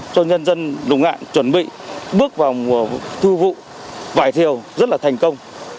cho nhân dân lục ngạn chuẩn bị bước vào mùa thu vụ vải thiều rất là thành công